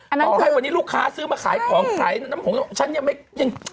ต่อให้วันนี้ลูกค้าซื้อมาขายของขายน้ำหงฉันยังไม่ยัง